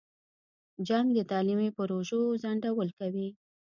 جنګ د تعلیمي پروژو ځنډول کوي.